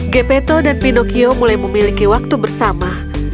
gapeto dan pinocchio mulai memiliki waktu bersama